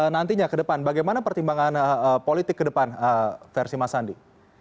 nantinya ke depan bagaimana pertimbangan politik ke depan versi mas andi